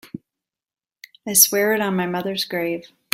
I swear it on my mother's grave.